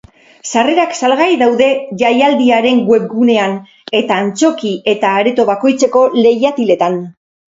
Sarrerak salgai daude jaialdiaren webgunean eta antzoki eta areto bakoitzeko leihatiletan.